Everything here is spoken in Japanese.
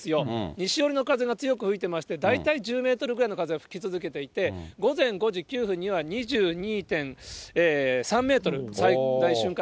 西寄りの風が強く吹いてまして、大体１０メートルぐらいの風が吹き続けていて、午前５時９分には２２．３メートル、最大瞬間